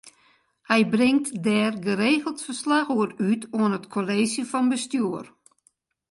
Hy bringt dêr geregeld ferslach oer út oan it Kolleezje fan Bestjoer.